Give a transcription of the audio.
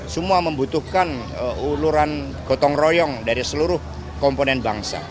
semua membutuhkan uluran gotong royong dari seluruh komponen bangsa